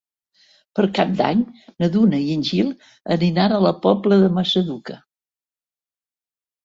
Per Cap d'Any na Duna i en Gil aniran a la Pobla de Massaluca.